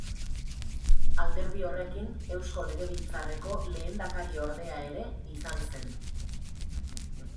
Alderdi horrekin Eusko Legebiltzarreko lehendakariordea ere izan zen.